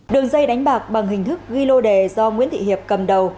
đường dây đánh bạc bằng hình thức ghi lô đề do nguyễn thị hiệp cầm đầu